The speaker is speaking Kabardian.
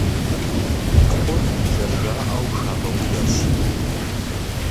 Пхъур, зэрыжаӀэу, хамэ унэщ.